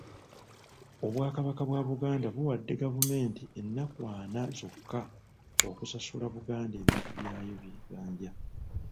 Obwakabaka bwa Buganda buwadde gavumenti ennaku ana zokka okusasula Buganda ebintu byayo by'ebanja.